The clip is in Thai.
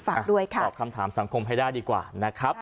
ฝากด้วยค่ะตอบคำถามสังคมให้ได้ดีกว่านะครับ